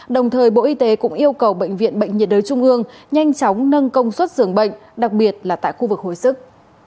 đồng thời bộ y tế cũng yêu cầu bệnh viện bệnh nhiệt đới trung ương nhanh chóng nâng công suất dường bệnh đặc biệt là tại khu vực hồi sức